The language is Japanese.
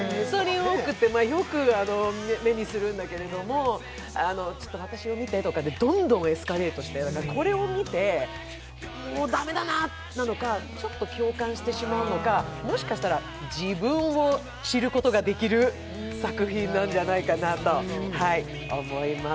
よく目にするんだけれども、「私を見て」とか、どんどんエスカレートして、これを見て駄目だななのか、ちょっと共感してしまうのか、もしかしたら自分を知ることができる作品なんじゃないかなと思います。